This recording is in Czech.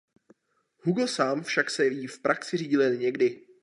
Hugo sám však se jí v praxi řídil jen někdy.